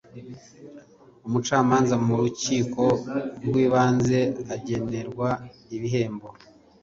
umucamanza mu rukiko rw ibanze agenerwa ibihembo.